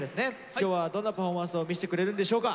今日はどんなパフォーマンスを見せてくれるんでしょうか？